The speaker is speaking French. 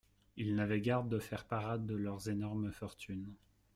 Ils n'avaient garde de faire parade de leurs énormes fortunes.